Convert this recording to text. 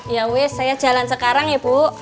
ya wis saya jalan sekarang ya bu